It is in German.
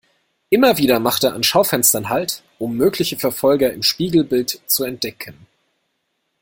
Immer wieder macht er an Schaufenstern halt, um mögliche Verfolger im Spiegelbild zu entdecken.